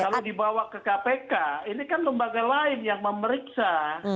kalau dibawa ke kpk ini kan lembaga lain yang memeriksa